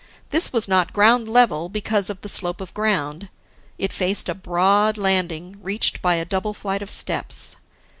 This was not ground level, because of the slope of ground; it faced a broad landing, reached by a double flight of steps.